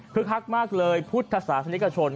คือคักมากเลยพุทธศาสนิกชน